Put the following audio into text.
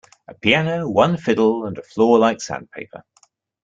A piano, one fiddle, and a floor like sandpaper.